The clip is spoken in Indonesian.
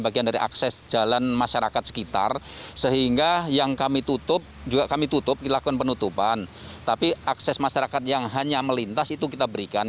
tapi akses masyarakat yang hanya melintas itu kita berikan